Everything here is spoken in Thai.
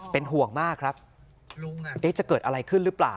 เป็นห่วงมากครับจะเกิดอะไรขึ้นหรือเปล่า